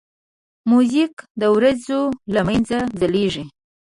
موزیک د وریځو له منځه ځلیږي.